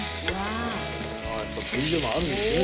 ああやっぱ鳥でもあるんですね